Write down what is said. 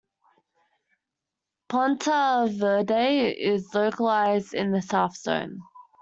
Ponta Verde is localised in the South Zone.